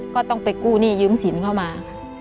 ก็ต้องไปกู้หนี้ยืมสินเข้ามาค่ะ